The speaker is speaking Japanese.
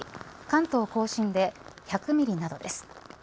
関東甲信で１００ミリなどです。